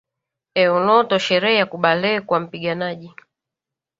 Eunoto sherehe ya kubalehe kwa mpiganaji